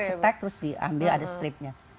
dicetak terus diambil ada stripnya